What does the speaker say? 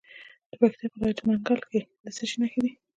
د پکتیا په لجه منګل کې د څه شي نښې دي؟